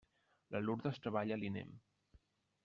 La Lurdes treballa a l'INEM.